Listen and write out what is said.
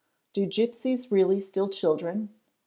Do gipsies really steal children?